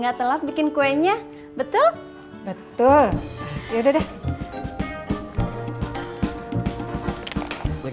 ya harusnya kan abang bisa diandelin